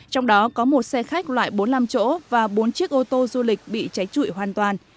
trong đó có một xe khách loại bốn mươi năm chỗ và bốn chiếc ô tô du lịch bị cháy trụi hoàn toàn